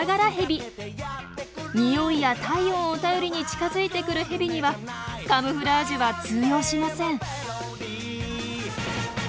においや体温を頼りに近づいてくるヘビにはカムフラージュは通用しません。